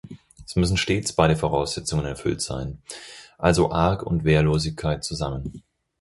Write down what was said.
Es müssen stets beide Voraussetzungen erfüllt sein, also Arg- und Wehrlosigkeit zusammen.